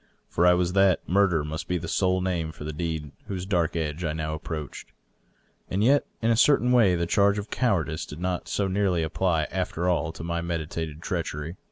For I was that — murder must be the sole just name for the deed whose dark edge I had now approached. And yet in a certain way the charge of cowardice did not so nearly apply, after all, to my meditated treachery.